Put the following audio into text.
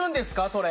それ。